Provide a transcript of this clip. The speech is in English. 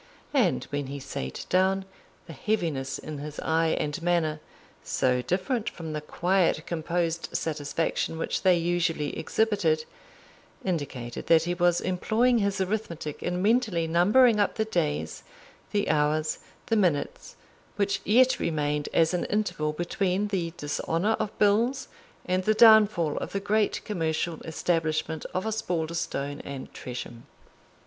And when he sate down, the heaviness in his eye and manner, so different from the quiet composed satisfaction which they usually exhibited, indicated that he was employing his arithmetic in mentally numbering up the days, the hours, the minutes, which yet remained as an interval between the dishonour of bills and the downfall of the great commercial establishment of Osbaldistone and Tresham.